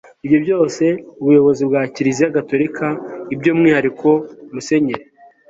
ibyo byose ubuyobozi bwa kiliziya gatolika by'umwihariko musenyeri